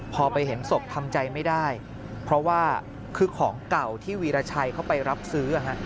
พอไปเห็นศพทำใจไม่ได้เพราะว่าคือของเก่าที่วีรชัยเข้าไปรับซื้อ